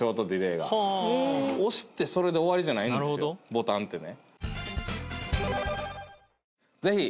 ボタンってね。